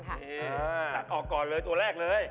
ตัดออกก่อนเลยตัวแรกเลย